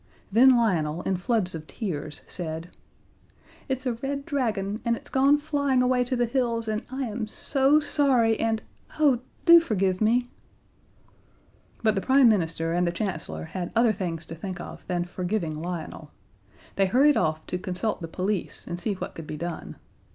Then Lionel, in floods of tears, said: "It's a Red Dragon, and it's gone flying away to the hills, and I am so sorry, and, oh, do forgive me!" But the Prime Minister and the Chancellor had other things to think of than forgiving Lionel. They hurried off to consult the police and see what could be done.